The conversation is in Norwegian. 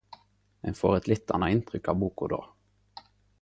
Ein får eit litt anna inntrykk av boka då.